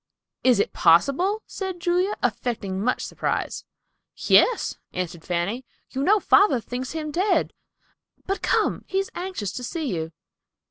"Is it possible?" said Julia, affecting much surprise. "Yes," answered Fanny. "You know father thinks him dead. But come, he is anxious to see you."